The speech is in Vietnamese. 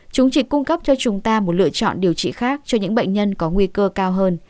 chúng chỉ cung cấp cho chúng ta một lựa chọn điều trị khác cho những bệnh nhân có nguy cơ cao hơn